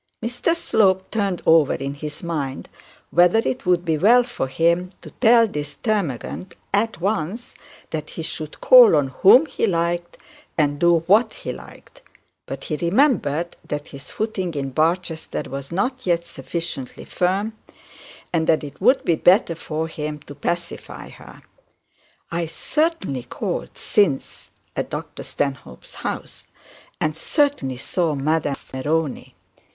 Mr Slope turned over in his mind whether it would be well for him to tell this termagant at once that he should call on whom he liked, and do what he liked; but he remembered that his footing in Barchester was not yet sufficiently firm, and that it would be better for him to pacify her. 'I certainly called since at Dr Stanhope's house, and certainly saw Madame Neroni.'